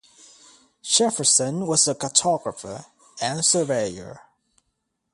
Jefferson was a cartographer and surveyor.